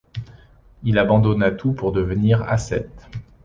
Il abandonna tout pour devenir ascète.